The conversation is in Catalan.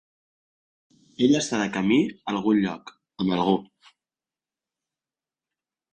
Ella està de camí a algun lloc, amb algú.